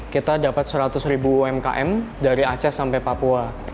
kita dapat seratus ribu umkm dari aceh sampai papua